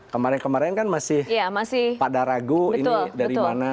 kemarin kemarin kan masih pada ragu ini dari mana